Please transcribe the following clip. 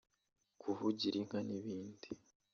kuvugira inka n’ibindi